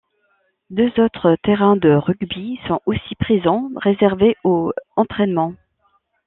Deux autres terrains de rugby sont aussi présents, réservés aux entraînements.